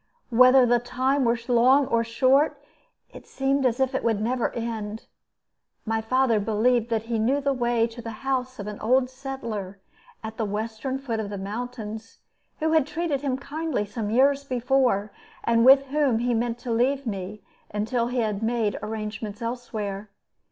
Whether the time were long or short, it seemed as if it would never end. My father believed that he knew the way to the house of an old settler, at the western foot of the mountains, who had treated him kindly some years before, and with whom he meant to leave me until he had made arrangements elsewhere.